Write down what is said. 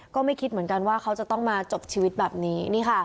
ก็ไม่คิดเหมือนกันว่าเขาจะต้องมาจบชีวิตแบบนี้